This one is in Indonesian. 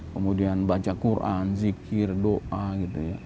kemudian baca quran zikir doa gitu ya